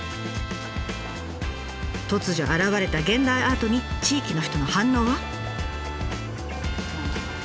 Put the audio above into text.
突如現れた現代アートに地域の人の反応は。